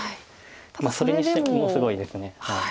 それにしてもすごいです。